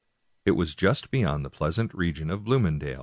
It was just beyond the pleasant region of Bloomen dael.